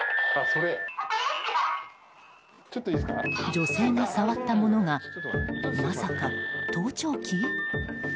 女性が触ったものがまさか、盗聴器？